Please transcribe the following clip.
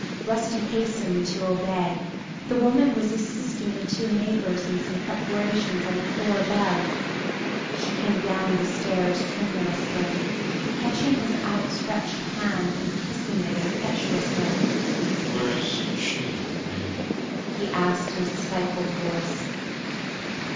Rusty hastened to obey. The woman was assisting the two neighbors in some preparations on the floor above. She came down the stairs tremulously, catching his outstretched hand and kissing it impetuously. "Where is she, Mandy?" he asked, in a stifled voice.